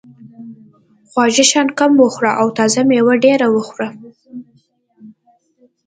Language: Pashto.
خواږه شیان کم وخوره او تازه مېوې ډېرې وخوره.